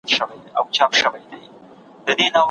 شاعر کولی شي خپل احساسات بیان کړي.